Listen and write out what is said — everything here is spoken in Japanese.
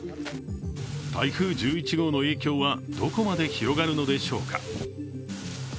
台風１１号の影響はどこまで広がるのでしょうか。